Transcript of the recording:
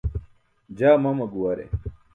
Jaa mama guware.